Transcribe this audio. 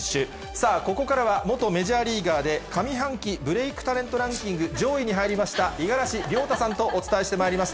さあ、ここからは、元メジャーリーガーで上半期ブレークタレントランキング上位に入りました、五十嵐亮太さんとお伝えしてまいります。